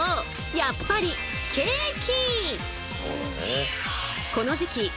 やっぱりケーキ！